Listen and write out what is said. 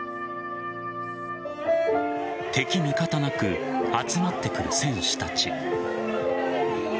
敵味方なく集まってくる選手たち。